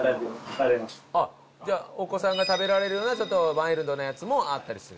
あっじゃあお子さんが食べられるようなちょっとマイルドなやつもあったりする？